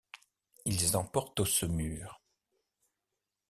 Ils emportent Saumur.